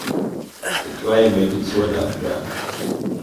The climate is hot and dry.